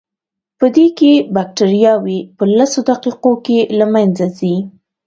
پدې کې بکټریاوې په لسو دقیقو کې له منځه ځي.